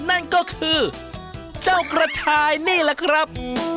นั่นก็คือเจ้ากระชายนี่แหละครับ